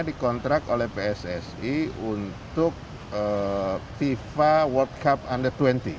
dikontrak oleh pssi untuk fifa world cup under dua puluh